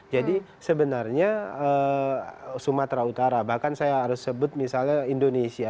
jadi sebenarnya sumatera utara bahkan saya harus sebut misalnya indonesia